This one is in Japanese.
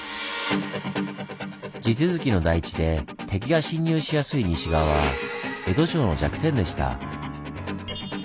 地続きの台地で敵が侵入しやすい西側は江戸城の弱点でした。